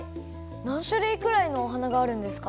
なんしゅるいくらいのお花があるんですか？